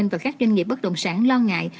và các doanh nghiệp bất động sản lo ngại